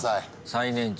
最年長。